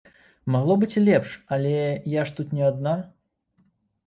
Магло быць і лепш, але я ж тут не адна.